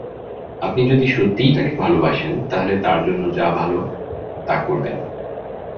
আপনি যদি সত্যিই তাকে ভালোবাসেন, তাহলে তার জন্য যা ভালো তা করবেন।